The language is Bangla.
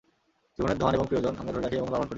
জীবনের ধন এবং প্রিয়জন, আমরা ধরে রাখি এবং লালন করি।